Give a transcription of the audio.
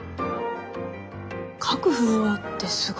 各フロアってすごい数じゃ。